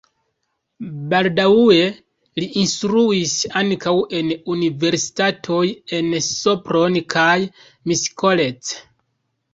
Baldaŭe li instruis ankaŭ en universitatoj en Sopron kaj Miskolc.